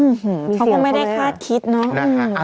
เขาก็ไม่ได้คาดคิดเนาะ